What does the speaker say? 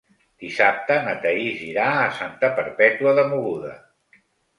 Dissabte na Thaís irà a Santa Perpètua de Mogoda.